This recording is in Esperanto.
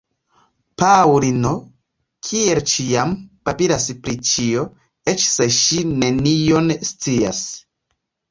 Paŭlino, kiel ĉiam, babilas pri ĉio, eĉ se ŝi nenion scias.